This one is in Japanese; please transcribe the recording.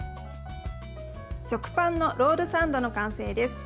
食パンのロールサンドの完成です。